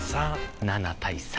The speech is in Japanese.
７対３。